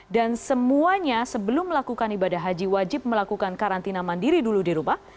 dan semuanya sebelum melakukan ibadah haji wajib melakukan karantina mandiri dulu di rumah